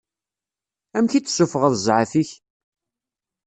Amek i d-ssufuɣeḍ zɛaf-ik?